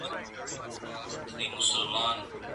هغه ورځ به را ویښیږي چي د صور شپېلۍ ږغیږي.